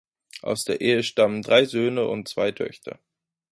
Aus der Ehe stammen drei Söhne und zwei Töchter.